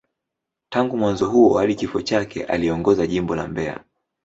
Tangu mwaka huo hadi kifo chake, aliongoza Jimbo la Mbeya.